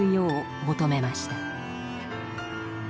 求めました。